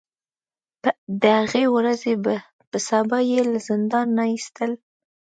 د هغې ورځې په سبا یې له زندان نه ایستل.